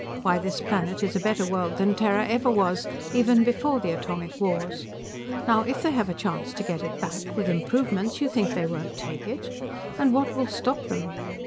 Why, this planet is a better world than Terra ever was, even before the Atomic Wars. Now, if they have a chance to get it back, with improvements, you think they won't take it? And what will stop them?